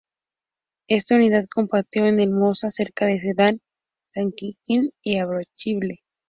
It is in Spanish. Esta unidad combatió en el Mosa, cerca de Sedán, San Quintín y Abbeville.